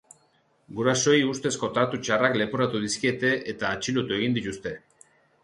Gurasoei ustezko tratu txarrak leporatu dizkiete eta atxilotu egin dituzte.